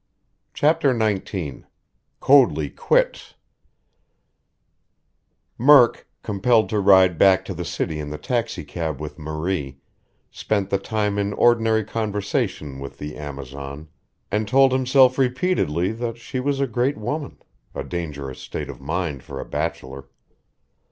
CHAPTER XIX COADLEY QUITS Murk, compelled to ride back to the city in the taxicab with Marie, spent the time in ordinary conversation with the amazon, and told himself repeatedly that she was a great woman, a dangerous state of mind for a bachelor.